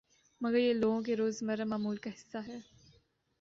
مگر یہ لوگوں کے روزمرہ معمول کا حصہ ہے